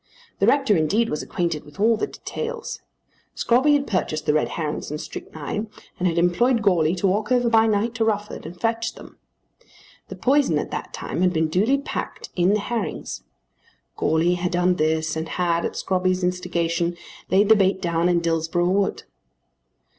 The rector indeed was acquainted with all the details. Scrobby had purchased the red herrings and strychnine, and had employed Goarly to walk over by night to Rufford and fetch them. The poison at that time had been duly packed in the herrings. Goarly had done this and had, at Scrobby's instigation, laid the bait down in Dillsborough Wood.